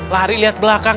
lari lihat belakang